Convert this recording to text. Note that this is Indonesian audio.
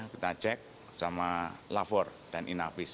kita cek sama lafor dan inafis